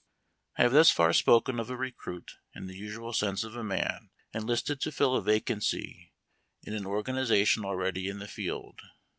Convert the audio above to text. I have thus far spoken of a recruit in the usual sense of a man enlisted to fill a vacancy in an organization already in the field.